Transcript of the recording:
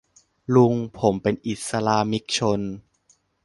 ลุงผมเป็นอิสลามิกชน